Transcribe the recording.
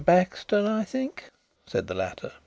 Baxter, I think?" said the latter.